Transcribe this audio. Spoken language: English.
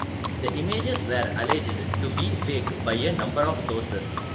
The images were alleged to be fake by a number of sources.